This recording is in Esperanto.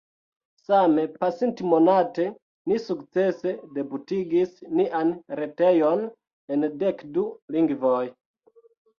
Same pasintmonate ni sukcese debutigis nian retejon en dek du lingvoj.